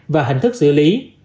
và hình thức xử lý